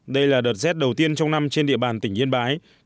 đây là đợt rét đầu tiên trong năm trên địa bàn tỉnh yên bái